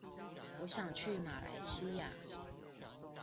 我想去馬來西亞